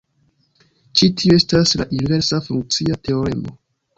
Ĉi tiu estas la inversa funkcia teoremo.